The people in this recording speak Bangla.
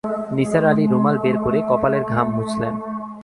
নিসার আলি রুমাল বের করে কপালের ঘাম মুছলেন।